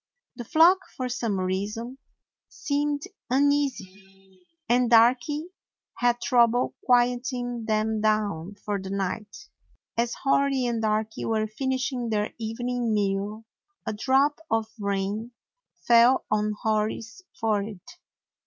The flock, for some reason, seemed uneasy, and Darky had trouble quieting them down for the night. As Hori and Darky were fin ishing their evening meal, a drop of rain fell on Hori's forehead.